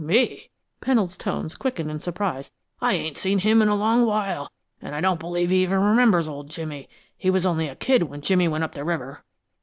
"Me?" Pennold's tones quickened in surprise. "I ain't seen him in a long while, an' I don't believe he even remembers old Jimmy; he was only a kid when Jimmy went up the river.